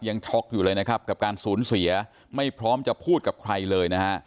ช็อกอยู่เลยนะครับกับการสูญเสียไม่พร้อมจะพูดกับใครเลยนะฮะ